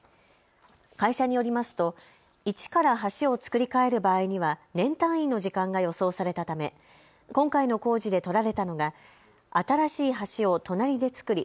会社によりますと一から橋を造り替える場合には年単位の時間が予想されたため今回の工事で取られたのが新しい橋を隣で造り